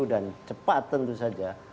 dan cepat tentu saja